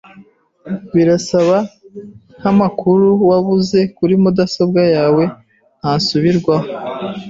Birasa nkamakuru wabuze kuri mudasobwa yawe ntasubirwaho.